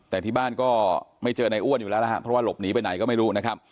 แต่ที่บ้านก็ไม่เจอในอ้วนอยู่แล้วนะครับเพราะว่าหลบหนีไปไหนก็ไม่รู้นะครับ